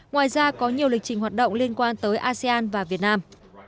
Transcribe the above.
ngoài ra có nhiều lịch trình hoạt động liên quan tới asean và việt nam